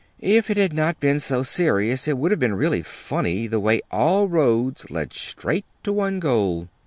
If it had not been so serious, it would have been really funny the way all roads led straight to one goal.